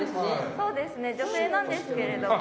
そうですね女性なんですけれども。